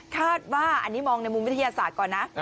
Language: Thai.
คาดว่าอันนี้มองในมุมวิทยาศาสตร์ก่อนนะ